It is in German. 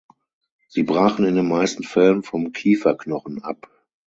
Sie brachen in den meisten Fällen vom Kieferknochen ab.